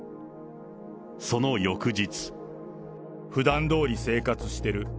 その翌日。ふだんどおり生活してる。